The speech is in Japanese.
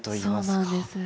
そうなんです。